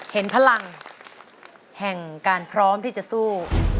เห็นพลังแห่งการพร้อมที่จะสู้